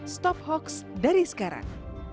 stop hoax dari sekarang